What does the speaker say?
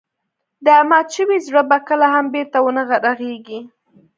دا مات شوی زړه به کله هم بېرته ونه رغيږي.